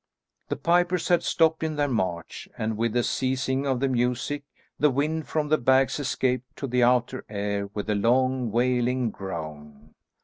The pipers had stopped in their march, and with the ceasing of the music, the wind from the bags escaped to the outer air with a long wailing groan.